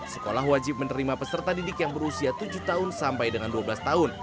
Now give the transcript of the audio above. sekolah wajib menerima peserta didik yang berusia tujuh tahun sampai dengan dua belas tahun